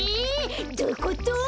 どういうこと？